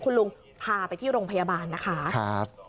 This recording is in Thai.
คุณลุงพาไปที่โรงพยาบาลนะคะ